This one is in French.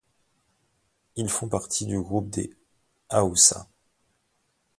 Ils font partie du groupe des Haoussa.